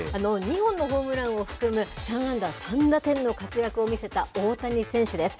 ２本のホームランを含む３安打３打点の活躍を見せた大谷選手です。